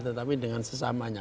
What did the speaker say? tetapi dengan sesamanya